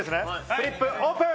フリップオープン！